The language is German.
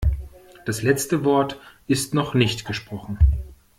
Das letzte Wort ist noch nicht gesprochen.